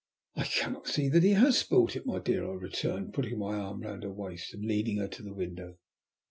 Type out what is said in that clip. "I cannot see that he has spoilt it, my dear," I returned, putting my arm round her waist and leading her to the window.